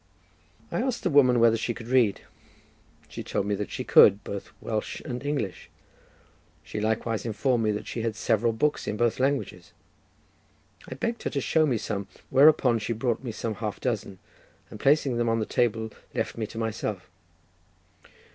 I asked the woman whether she could read; she told me that she could, both Welsh and English; she likewise informed me that she had several books in both languages. I begged her to show me some, whereupon she brought me some half dozen, and placing them on the table, left me to myself.